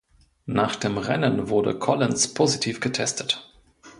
Nach dem Rennen wurde Collins positiv getestet.